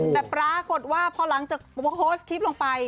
แต่ปรากฏว่าพอหลังจากโพสต์คลิปลงไป